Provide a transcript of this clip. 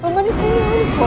mama di sini mama di sini